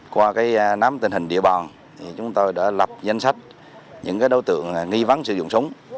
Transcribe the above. qua nắm tình hình địa bàn chúng tôi đã lập danh sách những đối tượng nghi vấn sử dụng súng